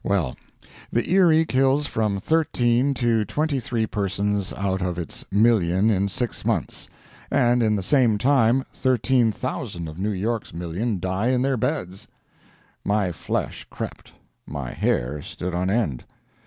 Well, the Erie kills from thirteen to twenty three persons out of its million in six months; and in the same time 13,000 of New York's million die in their beds! My flesh crept, my hair stood on end.